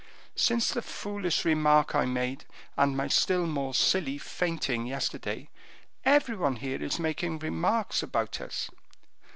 Since the foolish remark I made, and my still more silly fainting yesterday, every one here is making remarks about us."